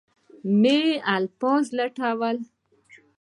مې الفاظ لټول.